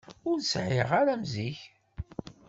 Ur sɛiɣ ara am zik.